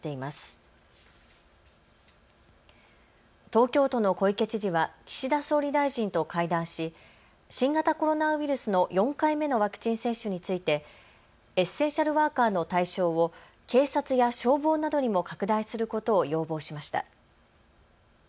東京都の小池知事は岸田総理大臣と会談し新型コロナウイルスの４回目のワクチン接種についてエッセンシャルワーカーの対象を警察や消防などにも拡大することを要望しました。